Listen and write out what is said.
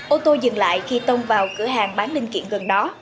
ô tô dừng lại khi tông vào cửa hàng bán linh kiện gần đó